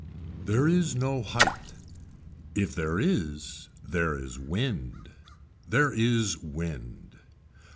There is no height. If there is there is wind. There is wind.